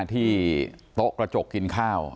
ที่โต๊ะกระจกกินข้าว